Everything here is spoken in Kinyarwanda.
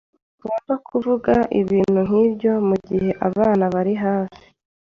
Ntugomba kuvuga ibintu nkibyo mugihe abana bari hafi.